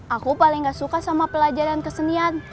aku paling gak suka sama pelajaran kesenian